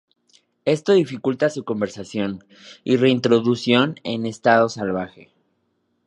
Esto dificulta su conservación y reintroducción en estado salvaje.